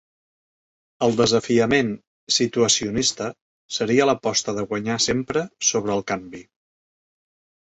El desafiament situacionista seria l'aposta de guanyar sempre sobre el canvi.